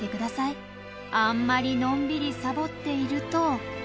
あんまりのんびりさぼっていると。